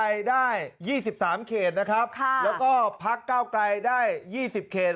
แล้วก็ภาคเก่าไกรได้๒๐เขต